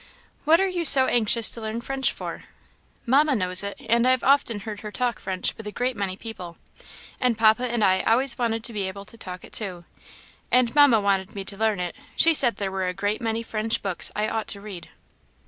"What are you so anxious to learn French for?" "Mamma knows it, and I have often heard her talk French with a great many people; and papa and I always wanted to be able to talk it too; and Mamma wanted me to learn it; she said there were a great many French books I ought to read."